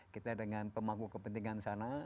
kita dengan pemangku kepentingan sana